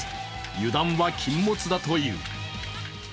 油断は禁物だという。